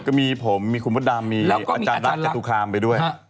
ก็มีผมมีคุณมดดำมีอาจารย์รักจตุคามไปด้วย